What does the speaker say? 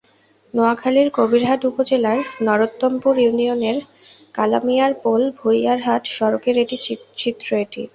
নোয়াখালীর কবিরহাট উপজেলার নরোত্তমপুর ইউনিয়নের কালামিয়ার পোল ভূঁইয়ারহাট সড়কের চিত্র এটি।